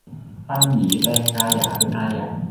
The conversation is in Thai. ปันหยีแปลงกายาเป็นอาหยัน